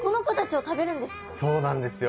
そうなんですよ。